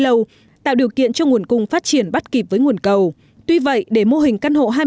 lâu tạo điều kiện cho nguồn cung phát triển bắt kịp với nguồn cầu tuy vậy để mô hình căn hộ hai mươi